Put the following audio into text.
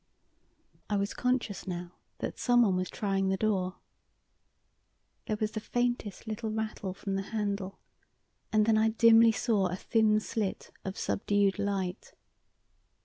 I was conscious now that someone was trying the door. There was the faintest little rattle from the handle, and then I dimly saw a thin slit of subdued light.